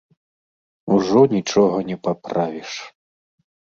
Ужо нічога не паправіш.